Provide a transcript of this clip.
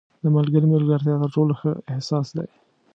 • د ملګري ملګرتیا تر ټولو ښه احساس دی.